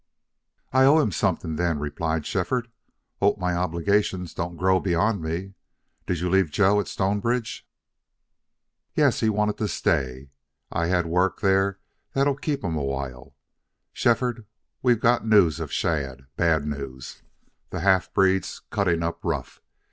"I owe him something, then," replied Shefford. "Hope my obligations don't grow beyond me. Did you leave Joe at Stonebridge?" "Yes. He wanted to stay, and I had work there that'll keep him awhile. Shefford, we got news of Shadd bad news. The half breed's cutting up rough.